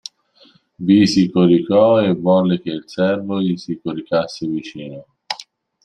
Vi si coricò e volle che il servo gli si coricasse vicino.